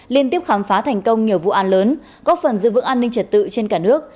liên tiếp khám phá thành công nhiều vụ an lớn góp phần giữ vững an ninh trật tự trên cả nước